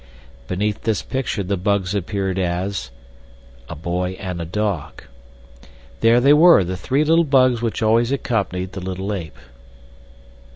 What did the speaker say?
Beneath this picture the bugs appeared as: A BOY AND A DOG There they were, the three little bugs which always accompanied the little ape.